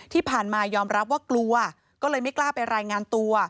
ที่ผ่านมายอมรับว่ากลัวก็เลยไม่กล้าไปรายงานตัว